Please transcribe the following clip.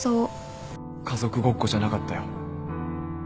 家族ごっこじゃなかったよ